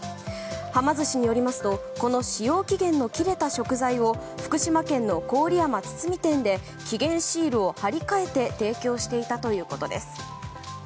はま寿司によりますとこの使用期限の切れた食材を福島県の郡山堤店で期限シールを貼り替えて提供していたということです。